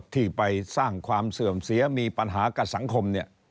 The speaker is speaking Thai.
ที่ไปสร้างความเสื่อมเสียมีปัญหากับสังคมเนี่ย